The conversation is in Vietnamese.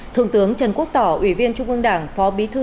thượng tướng trần quốc tỏ ủy viên trung ương đảng phó bí thư